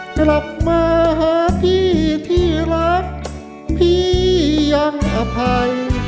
กลับมาหาพี่ที่รักพี่ยังอภัย